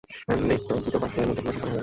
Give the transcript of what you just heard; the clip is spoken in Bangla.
নৃত্যগীতবাদ্যের মধ্যে বিবাহ সম্পন্ন হইয়া গেল।